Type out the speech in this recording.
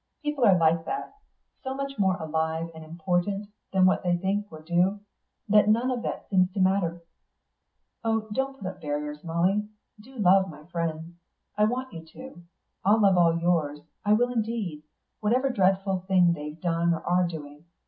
People are like that so much more alive and important than what they think or do, that none of that seems to matter. Oh, don't put up barriers, Molly. Do love my friends. I want you to. I'll love all yours; I will indeed, whatever dreadful things they've done or are doing.